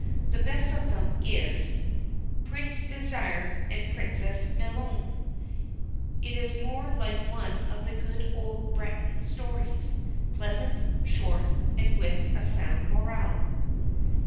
The best of them is PRINCE DÉSIR AND PRINCESS MIGNONE. It is more like one of the good old Breton stories pleasant, short, and with a sound moral.